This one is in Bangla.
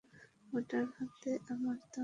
আমার ডান হাতে আমার তরবারী।